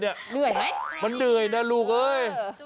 เหนื่อยไหมมันเหนื่อยนะลูกเอ้ย